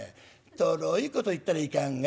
とろいこと言ったらいかんがや。